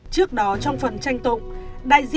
trước đó trong phần tranh tụng